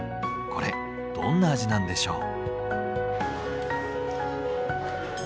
これどんな味なんでしょう？